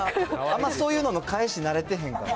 あんまそういうのの返し慣れてへんから。